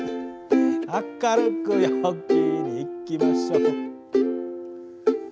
「明るく陽気にいきましょう」